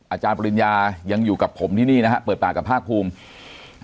อาจารย์ปริญญายังอยู่กับผมที่นี่นะฮะเปิดปากกับภาคภูมิ